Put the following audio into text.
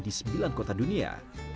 di sembilan kota dunia